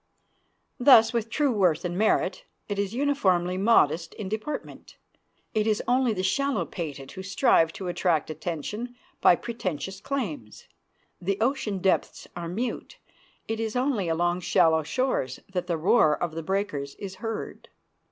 Thus with true worth and merit: it is uniformly modest in deportment. It is only the shallow pated who strive to attract attention by pretentious claims. The ocean depths are mute; it is only along shallow shores that the roar of the breakers is heard.